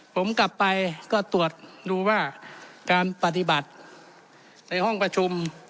ผมกลับไปก็ตรวจดูว่าการปฏิบัติในห้องประชุม